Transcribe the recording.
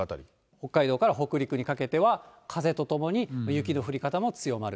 北海道から北陸にかけては、風とともに雪の降り方も強まる。